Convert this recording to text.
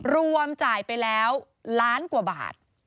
รวมจ่ายไปแล้วล้านกว่าบาท